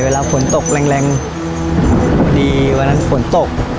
เวลาฝนตกแรงดีวันนั้นฝนตก